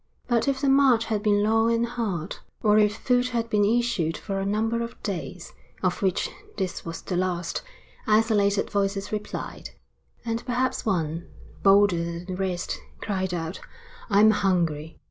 But if the march had been long and hard, or if food had been issued for a number of days, of which this was the last, isolated voices replied; and perhaps one, bolder than the rest, cried out: I am hungry.